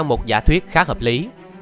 một giả thuyết khá hợp lý